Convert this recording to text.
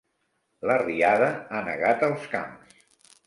La riada ha negat els camps.